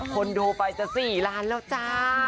คนดูไปจะ๔ล้านแล้วจ้า